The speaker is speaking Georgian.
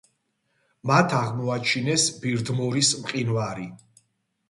მათ აღმოაჩინეს ბირდმორის მყინვარი.